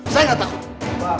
saya gak takut